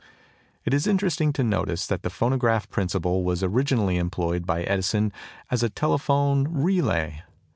It is interesting to notice that the phonograph principle was originally employed by Edison as a telephone "relay."